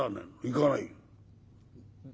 「行かないよ」。